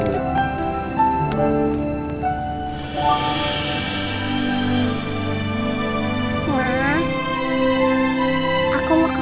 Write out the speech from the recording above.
sayang mau kemana